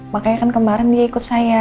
makanya kan kemarin dia ikut saya